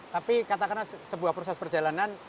tapi katakanlah sebuah proses perjalanan